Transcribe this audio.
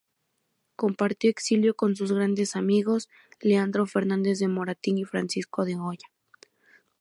Compartió exilio con sus grandes amigos Leandro Fernández de Moratín y Francisco de Goya.